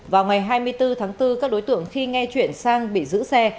vào ngày hai mươi bốn tháng bốn các đối tượng khi nghe chuyển sang bị giữ xe